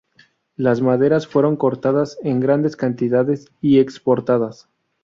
Las maderas fueron cortadas en grandes cantidades y exportadas.